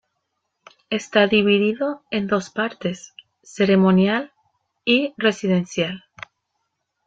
Está dividido en dos partes: ceremonial y residencial.